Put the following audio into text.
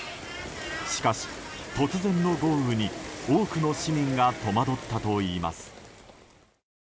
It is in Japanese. しかし突然の豪雨に、多くの市民が戸惑ったといいます。